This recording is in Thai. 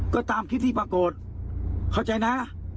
ก็ตามคลิปที่ปรากฏเข้าใจนะ